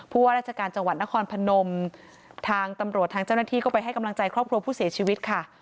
ว่าราชการจังหวัดนครพนมทางตำรวจทางเจ้าหน้าที่ก็ไปให้กำลังใจครอบครัวผู้เสียชีวิตค่ะ